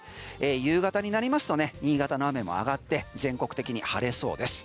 夕方になりますと新潟の雨も上がって全国的に晴れそうです。